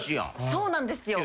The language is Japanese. そうなんですよ